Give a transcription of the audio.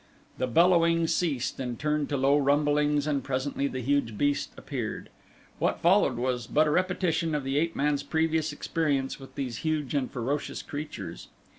The bellowing ceased and turned to low rumblings and presently the huge beast appeared. What followed was but a repetition of the ape man's previous experience with these huge and ferocious creatures.